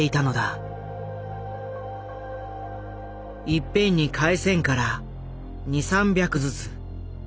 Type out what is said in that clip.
「いっぺんに返せんから２３百ずつ」。